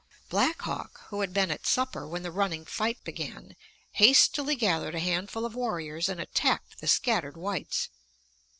Black Hawk, who had been at supper when the running fight began, hastily gathered a handful of warriors and attacked the scattered whites.